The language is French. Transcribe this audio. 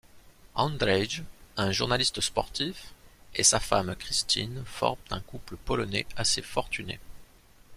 Andrzej, un journaliste sportif, et sa femme Christine forment un couple polonais assez fortuné.